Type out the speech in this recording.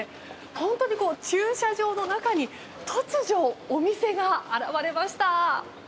本当に駐車場の中に突如、お店が現れました。